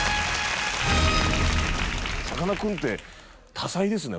さかなクンって多才ですね